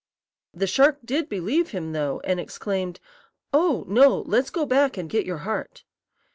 The shark did believe him, though, and exclaimed, "Oh, no; let's go back and get your heart."